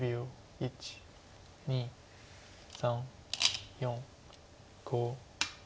１２３４５。